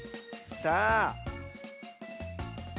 さあ。